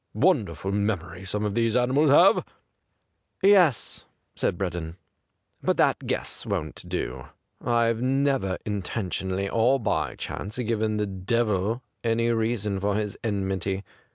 Wonderful memory some of these animals have !'' Yes/ said Breddon^ ' but that guess won't do. I have never, in tentionally or by chance, given the " Devil " any reason for his enmity.